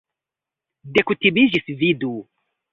Dekutimiĝis, vidu!